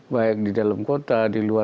baik di dalam kota